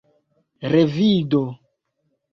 revido